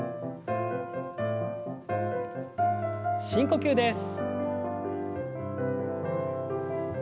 深呼吸です。